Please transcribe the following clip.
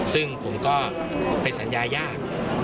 ซึ่งผมก็ไปสัญญายาก